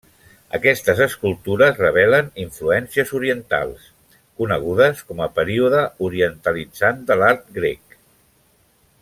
Aquestes escultures revelen influències orientals, conegudes com a període orientalitzant de l'art grec.